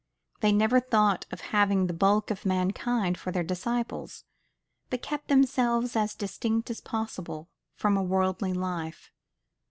They never thought of having the bulk of mankind for their disciples; but kept themselves as distinct as possible from a worldly life.